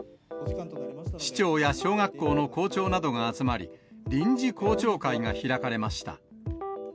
市長や小学校の校長などが集まり、臨時校長会が開かれました。